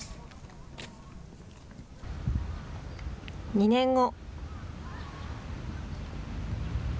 ２年後。